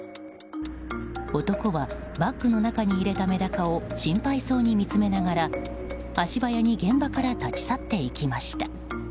男はバッグの中に入れたメダカを心配そうに見つめながら足早に現場から立ち去っていきました。